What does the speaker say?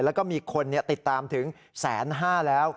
แล้วก็มีคนติดตามถึง๑๕๐๐แล้ว